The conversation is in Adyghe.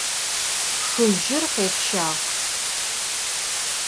Xıjır khêpşağ.